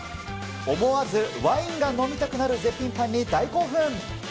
思わずワインが飲みたくなる絶品パンに大興奮。